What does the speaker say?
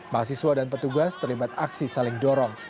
mahasiswa dan petugas terlibat aksi saling dorong